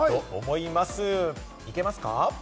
行けますか？